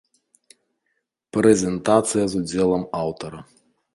Прэзентацыя з удзелам аўтара.